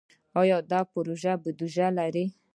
آیا دا پروژې بودیجه لري؟